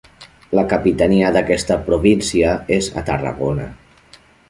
La capitania d'aquesta província és a Tarragona.